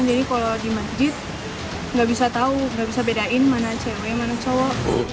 jadi kalau di masjid gak bisa tahu gak bisa bedain mana cewek mana cowok